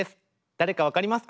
誰か分かりますか？